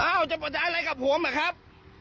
อ้าวจะประทานอะไรกับผมอ่ะครับ